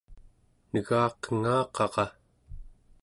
negaqengaqaqa